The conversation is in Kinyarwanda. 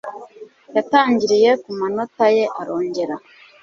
yatangiriye kumanota ye, arongera